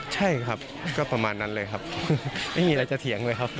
ใช่ครับก็ประมาณนั้นเลยครับไม่มีอะไรจะเถียงเลยครับ